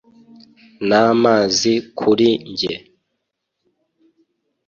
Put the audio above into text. namazi kuri njye